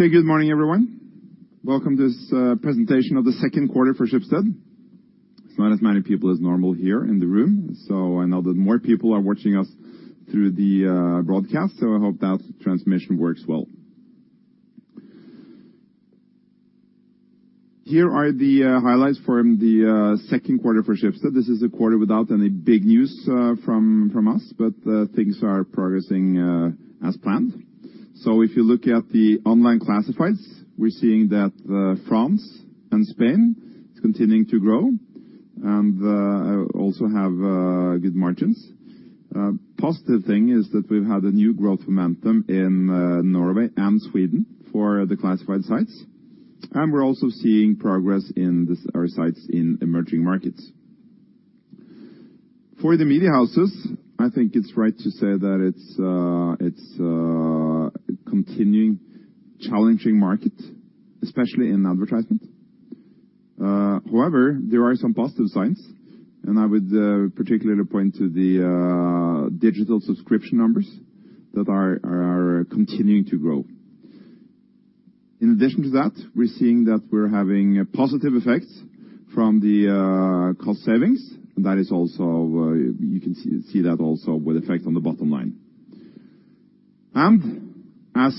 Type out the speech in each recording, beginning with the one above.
Okay, good morning, everyone. Welcome to this presentation of the second quarter for Schibsted. It's not as many people as normal here in the room. I know that more people are watching us through the broadcast, so I hope that transmission works well. Here are the highlights from the second quarter for Schibsted. This is a quarter without any big news from us. Things are progressing as planned. If you look at the online classifieds, we're seeing that France and Spain is continuing to grow and also have good margins. Positive thing is that we've had a new growth momentum in Norway and Sweden for the classified sites. We're also seeing progress in our sites in emerging markets. For the media houses, I think it's right to say that it's a continuing challenging market, especially in advertisement. However, there are some positive signs, and I would particularly point to the digital subscription numbers that are continuing to grow. In addition to that, we're seeing that we're having positive effects from the cost savings. That is also, you can see that also with effect on the bottom line. As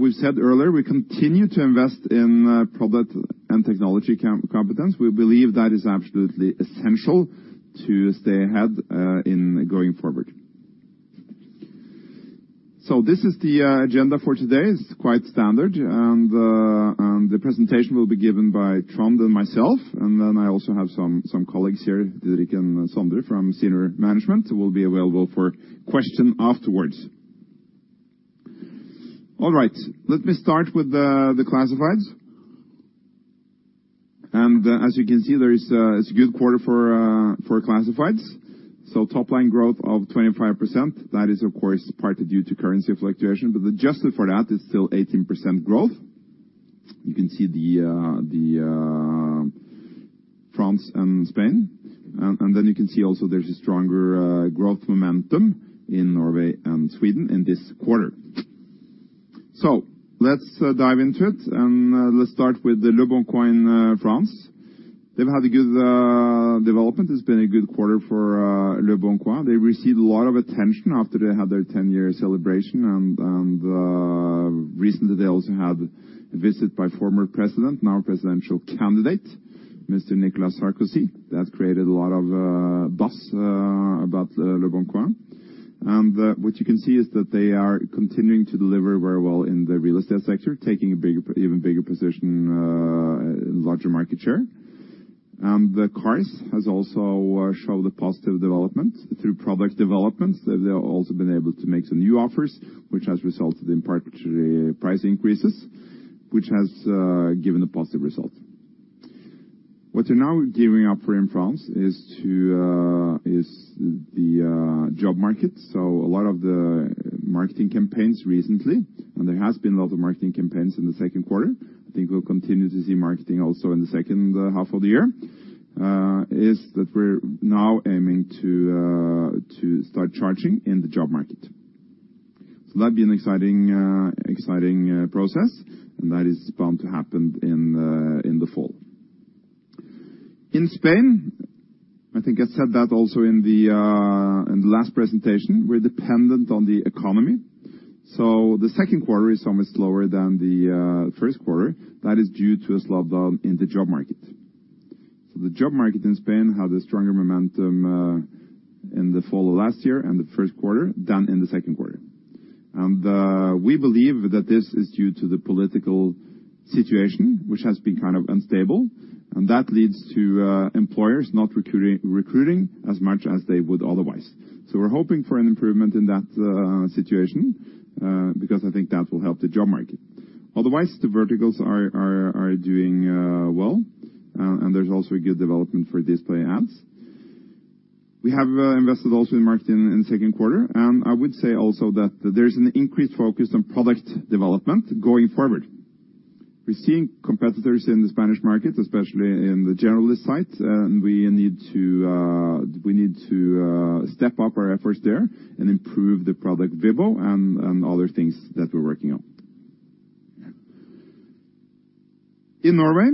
we've said earlier, we continue to invest in product and technology competence. We believe that is absolutely essential to stay ahead in going forward. This is the agenda for today. It's quite standard. The presentation will be given by Trond and myself. I also have some colleagues here, Didrik and Sondre from senior management who will be available for question afterwards. All right. Let me start with the classifieds. As you can see there is it's a good quarter for classifieds. Top line growth of 25%. That is of course partly due to currency fluctuation, but adjusted for that, it's still 18% growth. You can see France and Spain. You can see also there's a stronger growth momentum in Norway and Sweden in this quarter. Let's dive into it. Let's start with the leboncoin France. They've had a good development. It's been a good quarter for leboncoin. They received a lot of attention after they had their 10-year celebration, and recently they also had a visit by former president, now presidential candidate, Mr. Nicolas Sarkozy. That created a lot of buzz about leboncoin. What you can see is that they are continuing to deliver very well in the real estate sector, taking a big, even bigger position, larger market share. The cars has also showed a positive development through product developments. They've also been able to make some new offers, which has resulted in partially price increases, which has given a positive result. What they're now gearing up for in France is to the job market, so a lot of the marketing campaigns recently, and there has been a lot of marketing campaigns in the second quarter, I think we'll continue to see marketing also in the second half of the year, is that we're now aiming to start charging in the job market. That'll be an exciting process, and that is bound to happen in the fall. In Spain, I think I said that also in the last presentation, we're dependent on the economy, so the second quarter is somewhat slower than the first quarter. That is due to a slowdown in the job market. The job market in Spain had a stronger momentum in the fall of last year and the first quarter than in the second quarter. We believe that this is due to the political situation, which has been kind of unstable, and that leads to employers not recruiting as much as they would otherwise. We're hoping for an improvement in that situation because I think that will help the job market. Otherwise, the verticals are doing well, and there's also a good development for display ads. We have invested also in marketing in the second quarter, and I would say also that there's an increased focus on product development going forward. We're seeing competitors in the Spanish market, especially in the generalist sites, and we need to step up our efforts there and improve the product Vibbo and other things that we're working on. In Norway,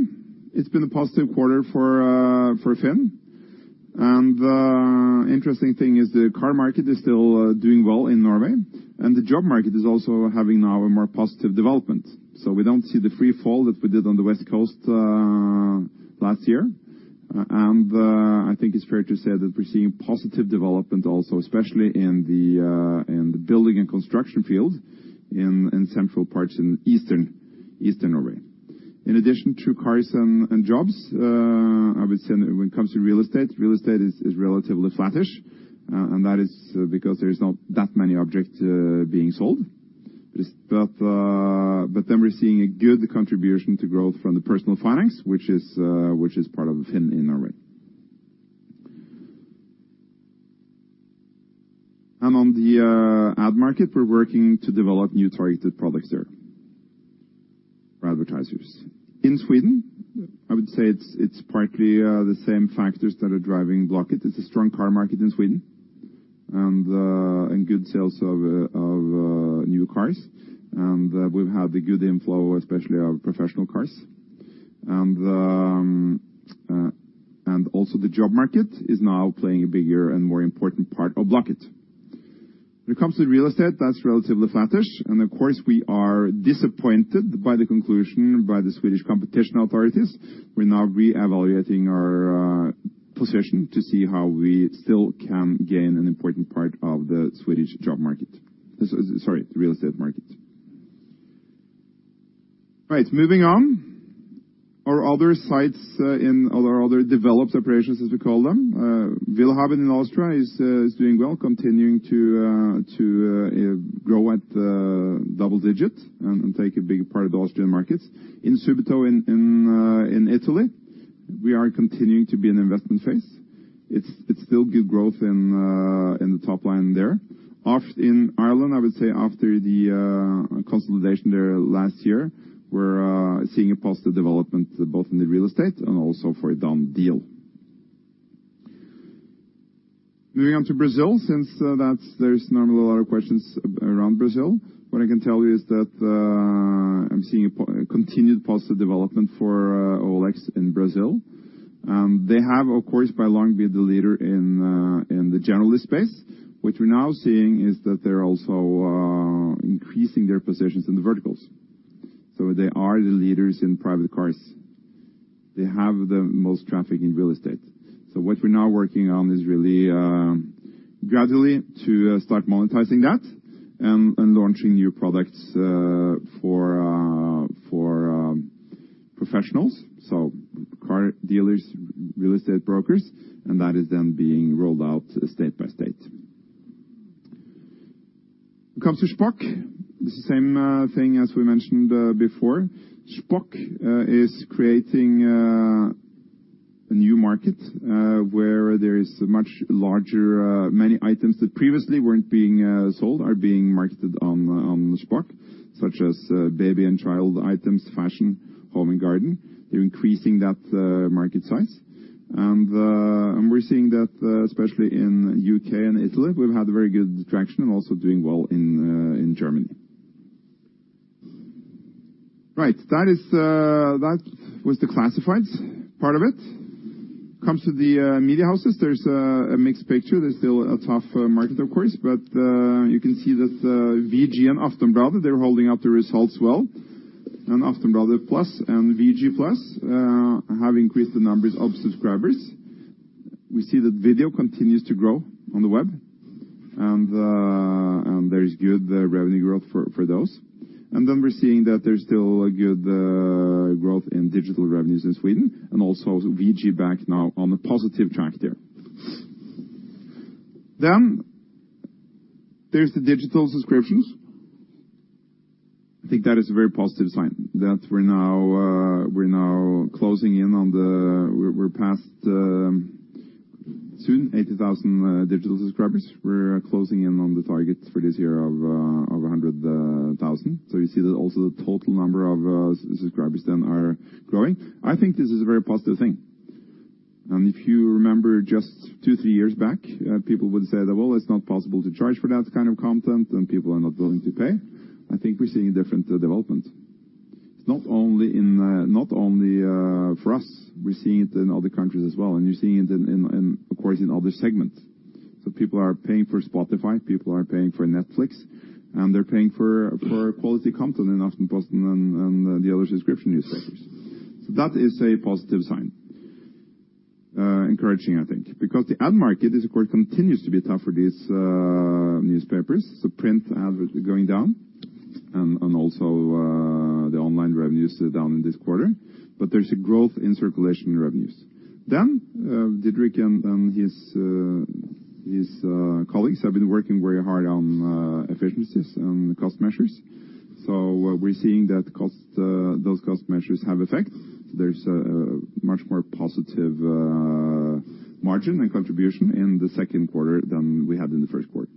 it's been a positive quarter for FINN. Interesting thing is the car market is still doing well in Norway, and the job market is also having now a more positive development. We don't see the freefall that we did on the West Coast last year. I think it's fair to say that we're seeing positive development also, especially in the building and construction field in central parts in eastern Norway. In addition to cars and jobs, I would say when it comes to real estate, real estate is relatively flattish, and that is because there is not that many objects being sold. We're seeing a good contribution to growth from the personal finance, which is part of FINN in Norway. On the ad market, we're working to develop new targeted products there. Advertisers. In Sweden, I would say it's partly the same factors that are driving Blocket. It's a strong car market in Sweden and good sales of new cars. We've had a good inflow, especially of professional cars. Also the job market is now playing a bigger and more important part of Blocket. When it comes to real estate, that's relatively flattish. Of course, we are disappointed by the conclusion by the Swedish competition authorities. We're now re-evaluating our position to see how we still can gain an important part of the Swedish job market. Sorry, the real estate market. Right. Moving on. Our other sites, in all our other developed operations, as we call them, willhaben in Austria is doing well, continuing to grow at double-digit and take a big part of the Austrian markets. In Subito in Italy, we are continuing to be in an investment phase. It's still good growth in the top line there. In Ireland, I would say after the consolidation there last year, we're seeing a positive development both in the real estate and also for a DoneDeal. Moving on to Brazil, since there's normally a lot of questions around Brazil. What I can tell you is that I'm seeing a continued positive development for OLX in Brazil. They have, of course, by long been the leader in the general space. What we're now seeing is that they're also increasing their positions in the verticals. They are the leaders in private cars. They have the most traffic in real estate. What we're now working on is really, gradually to start monetizing that and launching new products for professionals. Car dealers, real estate brokers, that is then being rolled out state by state. When it comes to Shpock, the same thing as we mentioned before. Shpock is creating a new market where there is a much larger. Many items that previously weren't being sold are being marketed on Shpock, such as baby and child items, fashion, home and garden. They're increasing that market size. We're seeing that especially in U.K. and Italy, we've had very good traction and also doing well in Germany. Right. That is that was the classifieds part of it. Comes to the media houses. There's a mixed picture. There's still a tough market, of course. You can see that VG and Aftenbladet, they're holding up the results well. Aftenbladet Plus and VG Plus have increased the numbers of subscribers. We see that video continues to grow on the web. There is good revenue growth for those. We're seeing that there's still a good growth in digital revenues in Sweden, and also VG back now on a positive track there. There's the digital subscriptions. I think that is a very positive sign that we're now, we're now closing in. We're past, soon 80,000 digital subscribers. We're closing in on the target for this year of 100,000. You see that also the total number of subscribers then are growing. I think this is a very positive thing. If you remember just two, three years back, people would say that, "Well, it's not possible to charge for that kind of content, and people are not willing to pay." I think we're seeing a different development, not only in, not only for us. We're seeing it in other countries as well, and you're seeing it in, of course, in other segments. People are paying for Spotify, people are paying for Netflix, and they're paying for quality content in Aftenposten and the other subscription newspapers. That is a positive sign. Encouraging, I think, because the ad market is of course continues to be tough for these newspapers. The print ads are going down and also, the online revenues are down in this quarter, but there's a growth in circulation revenues. Didrik and his colleagues have been working very hard on efficiencies and cost measures. We're seeing that cost, those cost measures have effect. There's a much more positive margin and contribution in the second quarter than we had in the first quarter.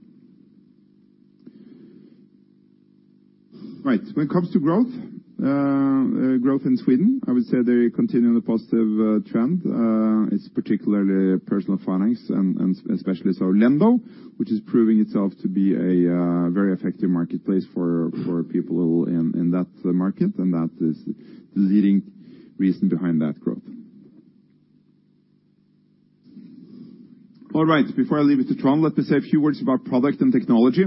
Right. When it comes to growth in Sweden, I would say they continue on a positive trend. It's particularly personal finance and especially so Lendo, which is proving itself to be a very effective marketplace for people in that market, and that is the leading reason behind that growth. All right. Before I leave it to Trond, let me say a few words about product and technology.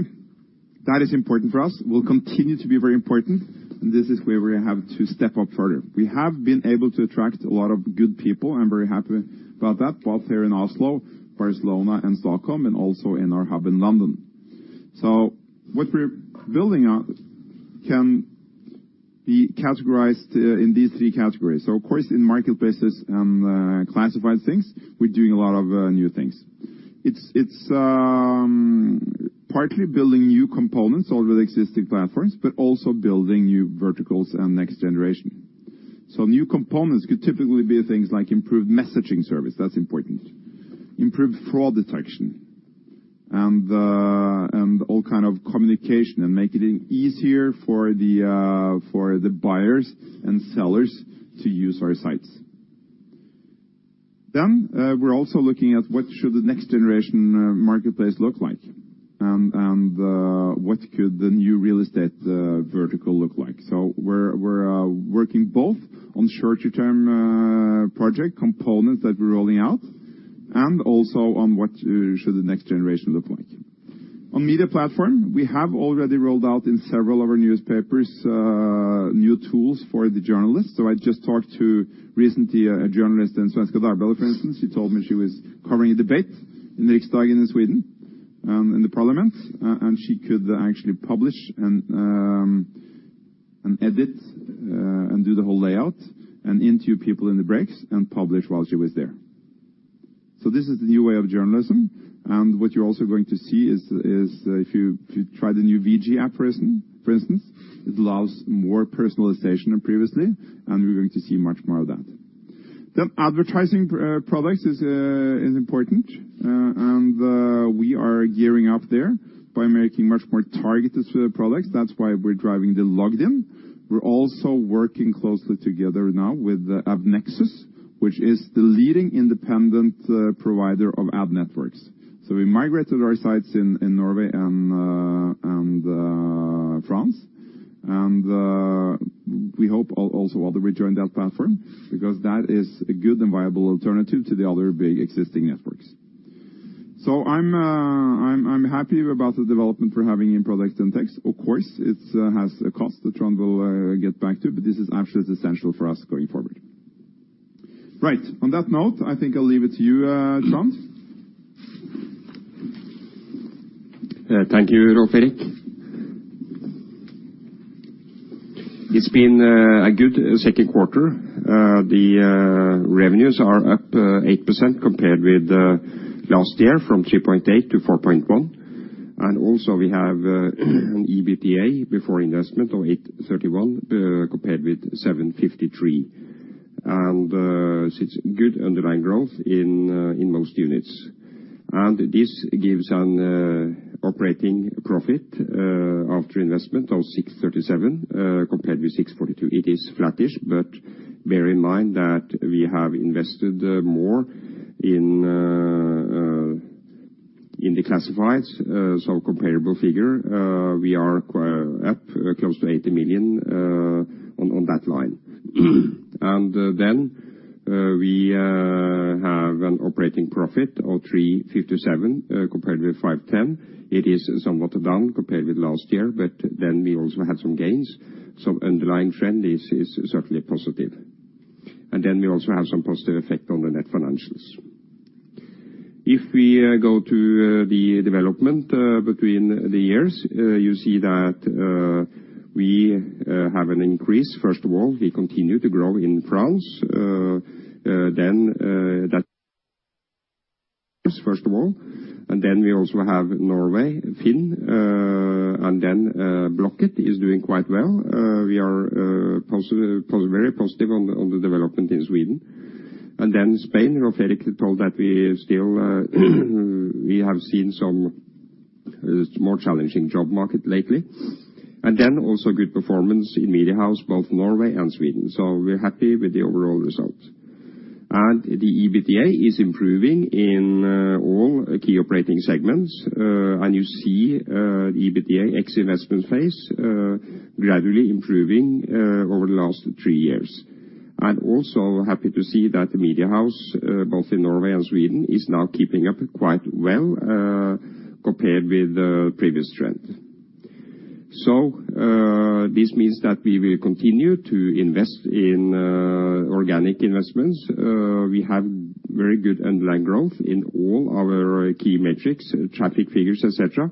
That is important for us. Will continue to be very important, and this is where we have to step up further. We have been able to attract a lot of good people. I'm very happy about that, both here in Oslo, Barcelona and Stockholm, and also in our hub in London. What we're building on can be categorized in these three categories. Of course, in marketplaces and classified things, we're doing a lot of new things. It's partly building new components or with existing platforms, but also building new verticals and next generation. New components could typically be things like improved messaging service. That's important. Improved fraud detection. And all kind of communication, and making it easier for the buyers and sellers to use our sites. We're also looking at what should the next generation marketplace look like. And what could the new real estate vertical look like? We're working both on shorter-term project components that we're rolling out, and also on what should the next generation look like. On media platform, we have already rolled out in several of our newspapers, new tools for the journalists. I just talked to recently a journalist in Svenska Dagbladet, for instance. She told me she was covering a debate in the Riksdag in Sweden, in the parliament. She could actually publish and edit and do the whole layout, and interview people in the breaks, and publish while she was there. This is the new way of journalism. What you're also going to see is if you try the new VG app, for instance, it allows more personalization than previously, and we're going to see much more of that. Advertising products is important. We are gearing up there by making much more targeted sort of products. That's why we're driving the logged in. We're also working closely together now with AppNexus, which is the leading independent provider of ad networks. We migrated our sites in Norway and France. We hope also other will join that platform because that is a good and viable alternative to the other big existing networks. I'm, I'm happy about the development we're having in products and techs. Of course, it has a cost that Trond will get back to, but this is absolutely essential for us going forward. Right. On that note, I think I'll leave it to you, Trond. Yeah. Thank you, Rolv Erik. It's been a good second quarter. The revenues are up 8% compared with last year from 3.8 billion-4.1 billion. We have an EBITDA before investment of 831 million compared with 753 million. It's good underlying growth in most units. This gives an operating profit after investment of 637 million compared with 642 million. It is flattish, but bear in mind that we have invested more in the classifieds, so comparable figure. We are up close to 80 million on that line. We have an operating profit of 357 million compared with 510 million. It is somewhat down compared with last year, we also had some gains. Underlying trend is certainly positive. We also have some positive effect on the net financials. If we go to the development between the years, you see that we have an increase. First of all, we continue to grow in France. First of all, we also have Norway, FINN, and Blocket is doing quite well. We are positive, very positive on the development in Sweden. Spain, Rolv Erik had told that we still have seen some more challenging job market lately. Also good performance in Media House, both Norway and Sweden. We're happy with the overall result. The EBITDA is improving in all key operating segments. You see the EBITDA ex investment phase gradually improving over the last three years. I'm also happy to see that the Media House, both in Norway and Sweden, is now keeping up quite well compared with the previous trend. This means that we will continue to invest in organic investments. We have very good underlying growth in all our key metrics, traffic figures, et cetera.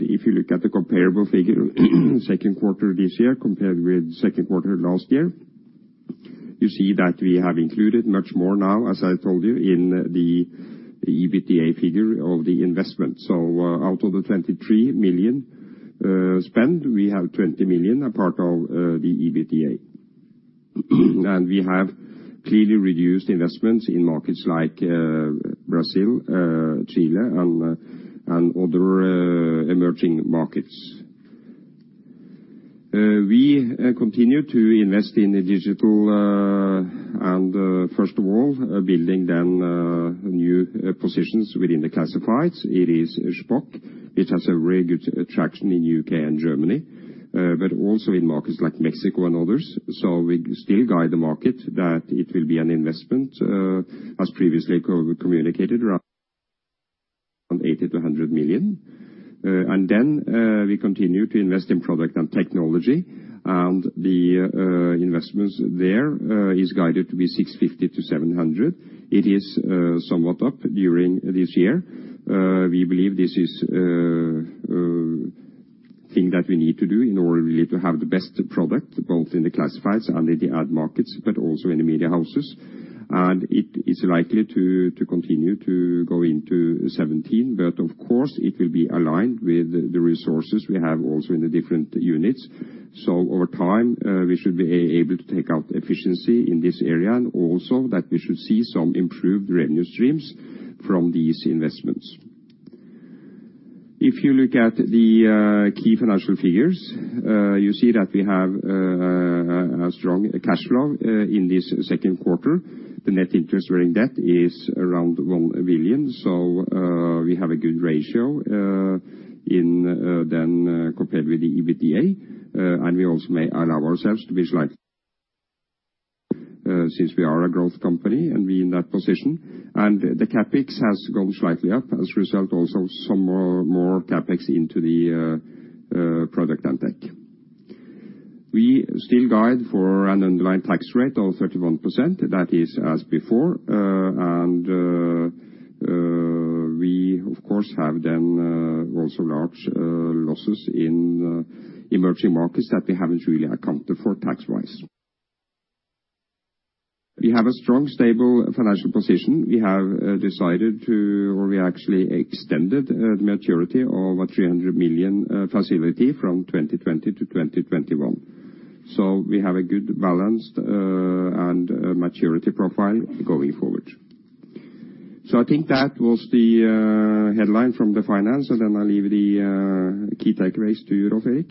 If you look at the comparable figure, second quarter this year compared with second quarter last year, you see that we have included much more now, as I told you, in the EBITDA figure of the investment. Out of the 23 million spend, we have 20 million a part of the EBITDA. We have clearly reduced investments in markets like Brazil, Chile, and other emerging markets. We continue to invest in the digital, and first of all, building then new positions within the classifieds. It is Shpock, which has a very good traction in U.K. and Germany, but also in markets like Mexico and others. We still guide the market that it will be an investment, as previously communicated, from 80 million-100 million. We continue to invest in product and technology. The investments there is guided to be 650 million-700 million. It is somewhat up during this year. We believe this is a thing that we need to do in order really to have the best product, both in the classifieds and in the ad markets, but also in the Media Houses. It is likely to continue to go into 2017, but of course, it will be aligned with the resources we have also in the different units. Over time, we should be able to take out efficiency in this area and also that we should see some improved revenue streams from these investments. If you look at the key financial figures, you see that we have a strong cash flow in this second quarter. The net interest-bearing debt is around 1 billion. We have a good ratio in then compared with the EBITDA. We also may allow ourselves to be slightly since we are a growth company, and we're in that position. The CapEx has gone slightly up. As a result, also some more CapEx into the product and tech. We still guide for an underlying tax rate of 31%. That is as before. We, of course, have then also large losses in emerging markets that we haven't really accounted for tax-wise. We have a strong, stable financial position. We have decided to, or we actually extended the maturity of a 300 million facility from 2020-2021. We have a good balance and maturity profile going forward. I think that was the headline from the finance. I leave the key takeaways to you, Rolv Erik.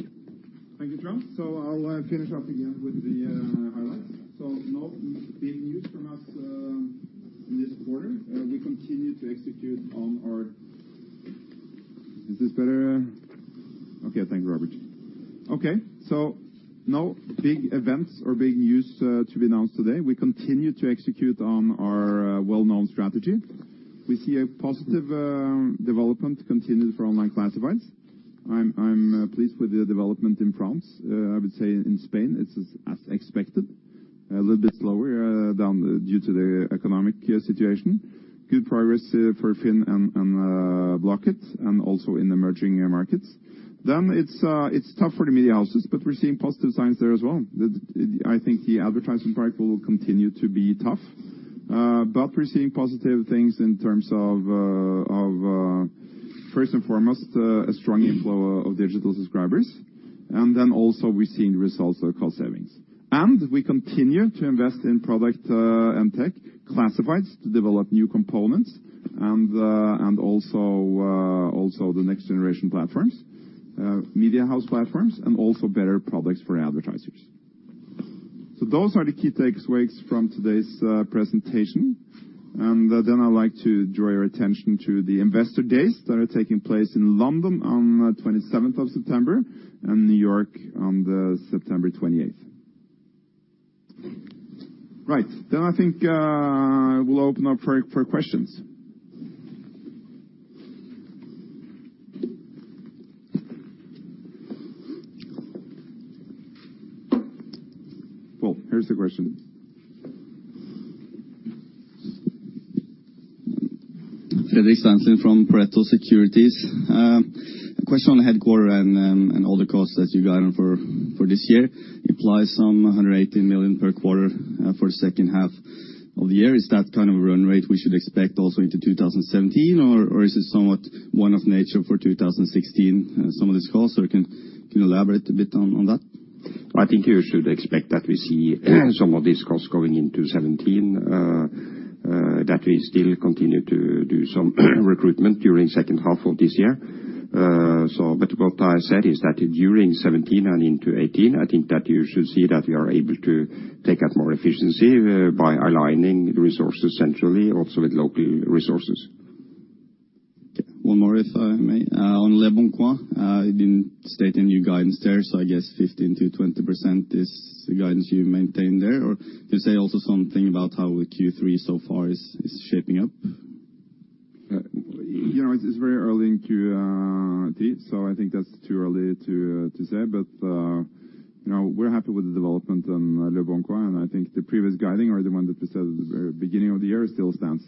Thank you, Trond. I'll finish up again with the highlights. No big news from us in this quarter. We continue to execute on our. Is this better? Okay, thank you, Robert. Okay, no big events or big news to be announced today. We continue to execute on our well-known strategy. We see a positive development continue for online classifieds. I'm pleased with the development in France. I would say in Spain it's as expected, a little bit slower down due to the economic year situation. Good progress for FINN and Blocket, and also in emerging markets. It's tough for the media houses, but we're seeing positive signs there as well. I think the advertising part will continue to be tough. We're seeing positive things in terms of, first and foremost, a strong inflow of digital subscribers. Also we're seeing results of cost savings. We continue to invest in product and tech. Classifieds to develop new components, and also the next generation platforms, media house platforms, and also better products for advertisers. Those are the key takeaways from today's presentation. I'd like to draw your attention to the investor days that are taking place in London on the 27th of September and New York on September 28th. Right. I think we'll open up for questions. Here's a question. Fredrik Steinslien from Pareto Securities. A question on headquarter and all the costs that you guided for this year. Implies some 180 million per quarter for the second half of the year. Is that kind of a run rate we should expect also into 2017, or is it somewhat one-off nature for 2016, some of these costs? Can you elaborate a bit on that? I think you should expect that we see some of these costs going into 2017 that we still continue to do some recruitment during second half of this year. What I said is that during 2017 and into 2018, I think that you should see that we are able to take out more efficiency by aligning resources centrally, also with local resources. Okay, one more, if I may. On leboncoin, you didn't state any guidance there, so I guess 15%-20% is the guidance you maintain there? Or can you say also something about how Q3 so far is shaping up? You know, it's very early in Q3, so I think that's too early to say. You know, we're happy with the development on leboncoin, and I think the previous guiding, or the one that we said at the very beginning of the year, still stands,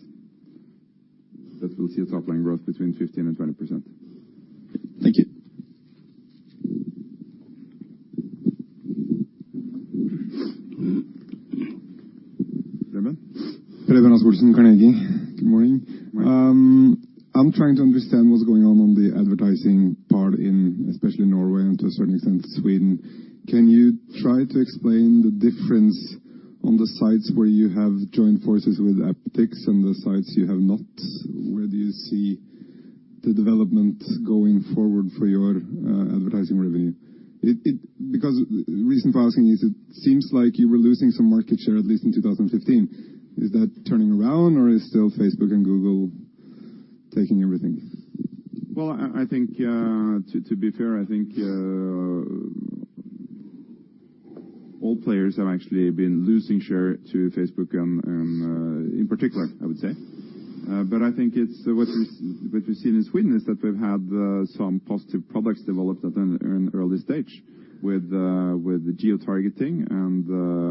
that we'll see a top line growth between 15% and 20%. Thank you. Reidar. Reidar Næss, Carnegie. Good morning. Morning. I'm trying to understand what's going on on the advertising part in especially Norway, and to a certain extent Sweden. Can you try to explain the difference on the sites where you have joined forces with AppNexus and the sites you have not? Where do you see the development going forward for your advertising revenue? Because reason for asking is it seems like you were losing some market share, at least in 2015. Is that turning around, or is still Facebook and Google taking everything? Well, I think, to be fair, I think, all players have actually been losing share to Facebook. In particular, I would say. I think it's, what we've seen in Sweden is that we've had some positive products developed at an early stage with geotargeting and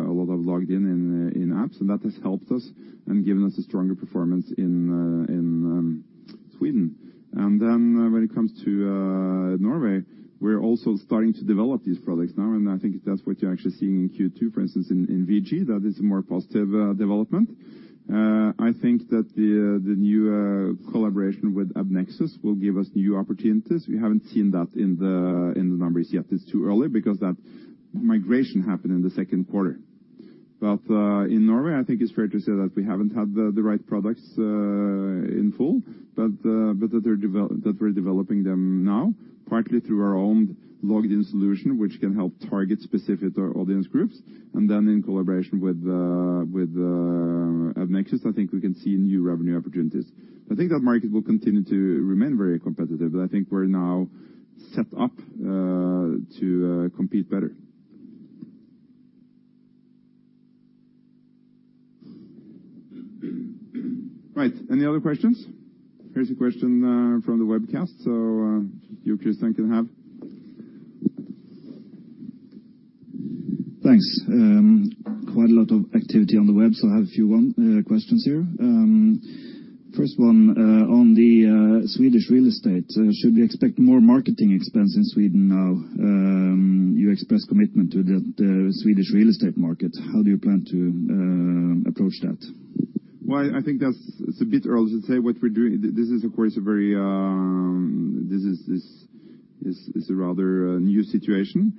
a lot of logged in apps, and that has helped us and given us a stronger performance in Sweden. When it comes to Norway, we're also starting to develop these products now, and I think that's what you're actually seeing in Q2, for instance, in VG. That is a more positive development. I think that the new collaboration with AppNexus will give us new opportunities. We haven't seen that in the numbers yet. It's too early because that migration happened in the second quarter. In Norway, I think it's fair to say that we haven't had the right products in full. that we're developing them now, partly through our own logged-in solution, which can help target specific or audience groups. In collaboration with AppNexus, I think we can see new revenue opportunities. I think that market will continue to remain very competitive, but I think we're now set up to compete better. Right. Any other questions? Here's a question from the webcast, so you, Christian, can have. Thanks. Quite a lot of activity on the web, I have a few one questions here. First one on the Swedish real estate. Should we expect more marketing expense in Sweden now? You expressed commitment to the Swedish real estate market. How do you plan to approach that? Well, I think that's, it's a bit early to say what we're doing. This is, of course, a very, this is a rather new situation.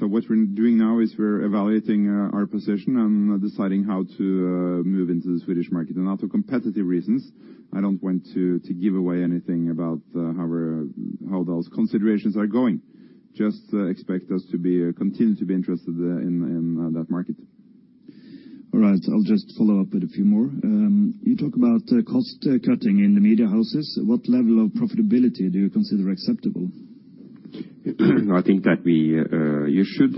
What we're doing now is we're evaluating our position and deciding how to move into the Swedish market. Out of competitive reasons, I don't want to give away anything about how we're, how those considerations are going. Just expect us to be continue to be interested in that market. All right, I'll just follow up with a few more. You talk about cost-cutting in the media houses. What level of profitability do you consider acceptable? I think that we, you should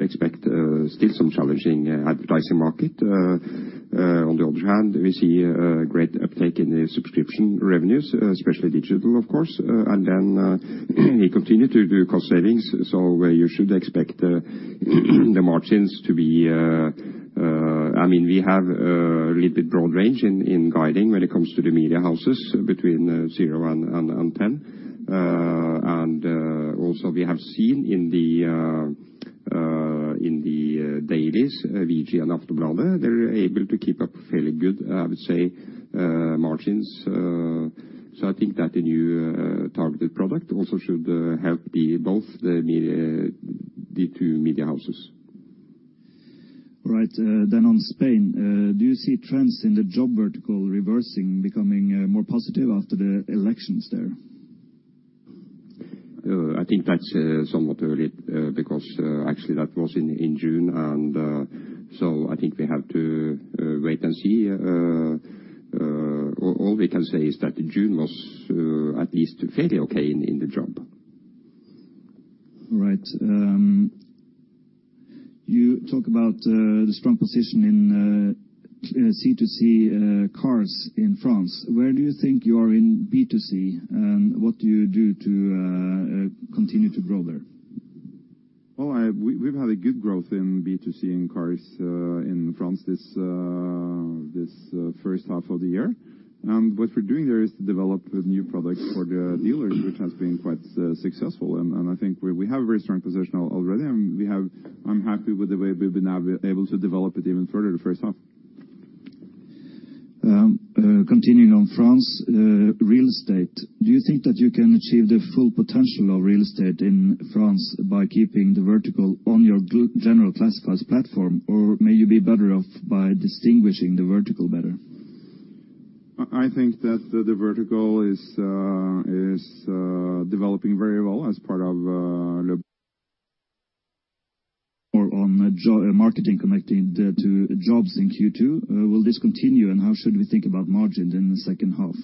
expect still some challenging advertising market. On the other hand, we see a great uptake in the subscription revenues, especially digital, of course. We continue to do cost savings, so you should expect the margins to be... I mean, we have a little bit broad range in guiding when it comes to the media houses, between zero and 10. Also we have seen in the dailies, VG and Aftenbladet, they're able to keep up fairly good, I would say, margins. I think that the new targeted product also should help the, both the media, the two media houses. All right. On Spain, do you see trends in the job vertical reversing, becoming more positive after the elections there? I think that's somewhat early because actually that was in June. I think we have to wait and see. All we can say is that June was at least fairly okay in the job. All right. you talk about, the strong position in, C2C, cars in France. Where do you think you are in B2C, and what do you do to, continue to grow there? Well, we've had a good growth in B2C in cars in France this this first half of the year. What we're doing there is to develop new products for the dealers, which has been quite successful. I think we have a very strong position already, I'm happy with the way we've been able to develop it even further the first half. Continuing on France, real estate. Do you think that you can achieve the full potential of real estate in France by keeping the vertical on your general classifieds platform? May you be better off by distinguishing the vertical better? I think that the vertical is developing very well as part of. Marketing connecting the to jobs in Q2. Will this continue, and how should we think about margins in the second half?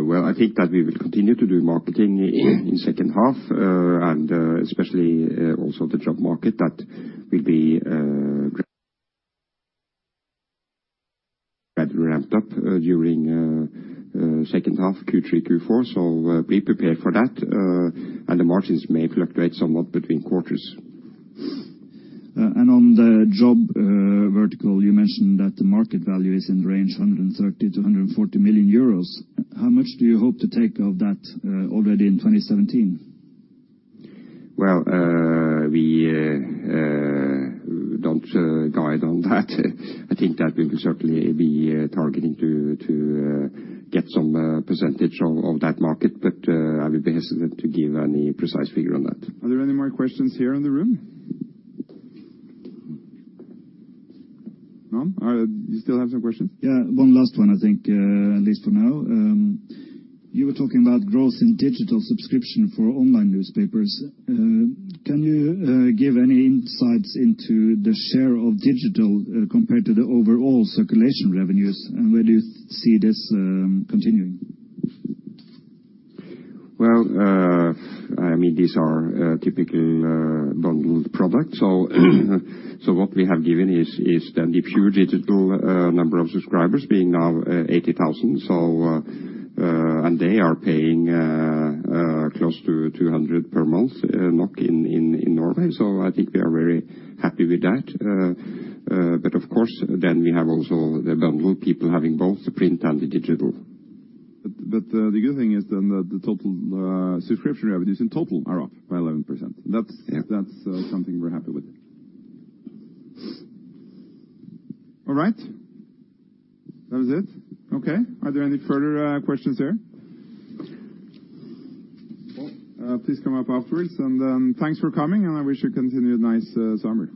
Well, I think that we will continue to do marketing in second half. Especially, also the job market, that will be gradually ramped up during second half, Q3, Q4. Be prepared for that. The margins may fluctuate somewhat between quarters. On the job, vertical, you mentioned that the market value is in the range 130 million-140 million euros. How much do you hope to take of that, already in 2017? we don't guide on that. I think that we will certainly be targeting to get some percentage of that market, I will be hesitant to give any precise figure on that. Are there any more questions here in the room? No? You still have some questions? Yeah, one last one, I think, at least for now. You were talking about growth in digital subscription for online newspapers. Can you give any insights into the share of digital compared to the overall circulation revenues? Where do you see this continuing? Well, I mean, these are typical bundled products. What we have given is then the pure digital number of subscribers being now 80,000. And they are paying close to 200 per month in Norway. I think we are very happy with that. Of course, then we have also the bundled people having both the print and the digital. The good thing is then that the total subscription revenues in total are up by 11%. Yeah. That's something we're happy with. All right. That was it? Okay. Are there any further questions here? Well, please come up afterwards, and thanks for coming, and I wish you continued nice summer.